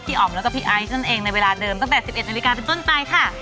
อ๋อมแล้วก็พี่ไอซ์นั่นเองในเวลาเดิมตั้งแต่๑๑นาฬิกาเป็นต้นไปค่ะ